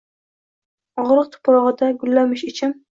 og’riq tuprog’ida gullamish ichim.